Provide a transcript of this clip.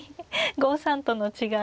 ５三との違いが。